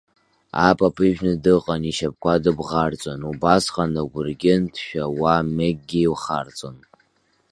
Апап ижәны дыҟан ишьапқәа дыбӷарҵон, Убасҟан агәыргьын ҭшәа уа Мегги илхарҵон.